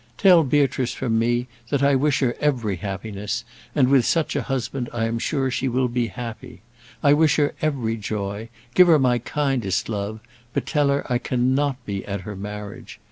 Tell Beatrice from me, that I wish her every happiness; and, with such a husband, I am sure she will be happy. I wish her every joy; give her my kindest love; but tell her I cannot be at her marriage.